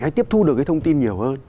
hay tiếp thu được cái thông tin nhiều hơn